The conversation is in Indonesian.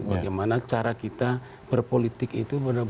bagaimana cara kita berpolitik itu